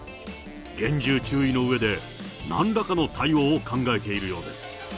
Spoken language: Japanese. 厳重注意のうえで、なんらかの対応を考えているようです。